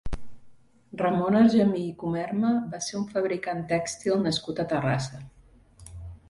Ramon Argemí i Comerma va ser un fabricant tèxtil nascut a Terrassa.